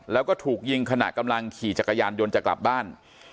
แล้วก็ถูกยิงขณะกำลังขี่จักรยานยนต์จะกลับบ้าน